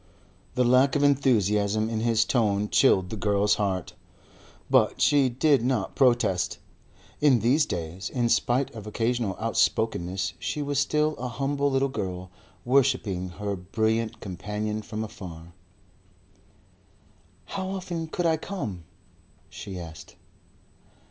The lack of enthusiasm in his tone chilled the girl's heart. But she did not protest. In these days, in spite of occasional outspokenness she was still a humble little girl worshipping her brilliant companion from afar. "How often could I come?" she asked.